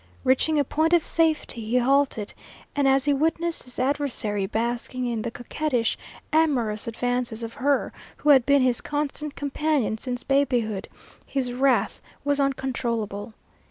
Reaching a point of safety he halted, and as he witnessed his adversary basking in the coquettish, amorous advances of her who had been his constant companion since babyhood, his wrath was uncontrollable.